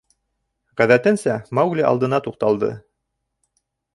Ғәҙәтенсә, Маугли алдына туҡталды.